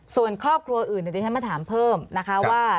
ส่วนครอบครัวอื่นเดี๋ยวที่ฉันมาถามเพิ่มนะคะว่า